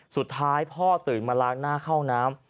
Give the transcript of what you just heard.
สุดท้ายพ่อตื่นมาล้างหน้าเข้าน้ำ